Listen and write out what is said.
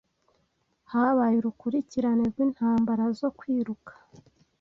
habaye urukurikirane rwintambara zo kwiruka